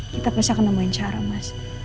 kita bisa kena main cara mas